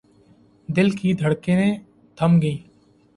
دل کی دھڑکنیں تھم گئیں۔